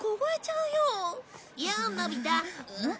うん？